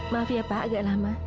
maaf ya pak agak lama